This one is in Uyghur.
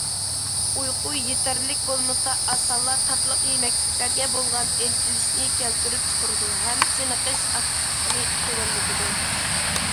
ئۇيقۇ يېتەرلىك بولمىسا، ئاسانلا تاتلىق يېمەكلىكلەرگە بولغان ئىنتىلىشنى كەلتۈرۈپ چىقىرىدۇ ھەم چېنىقىش ئاكتىپلىقىنى تۆۋەنلىتىدۇ.